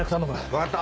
分かった。